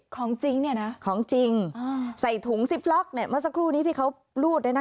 ของจริงนี่นะนะใส่ถุงซิปล็อกมาสักครู่นี้ที่เขารูด